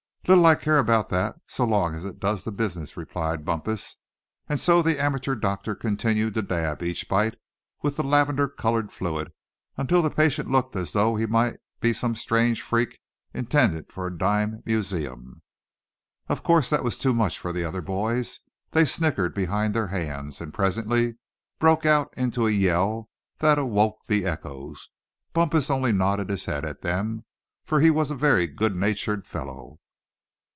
"Little I care about that, so long as it does the business," replied Bumpus; and so the amateur doctor continued to dab each bite with the lavender colored fluid until the patient looked as though he might be some strange freak intended for a dime museum. Of course that was too much for the other boys. They snickered behind their hands, and presently broke out into a yell that awoke the echoes. Bumpus only nodded his head at them, for he was a very good natured fellow.